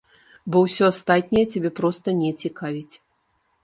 Бо ўсё астатняе цябе проста не цікавіць.